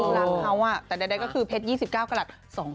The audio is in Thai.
รักเขาแต่ใดก็คือเพชร๒๙กรัฐ